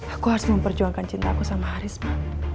aku harus memperjuangkan cintaku sama haris ma